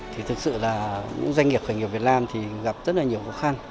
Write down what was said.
thì thực sự là những doanh nghiệp khởi nghiệp việt nam thì gặp rất là nhiều khó khăn